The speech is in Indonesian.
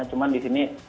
cuma di sini